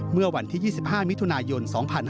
เมื่อวันที่๒๕มิถุนายน๒๕๕๙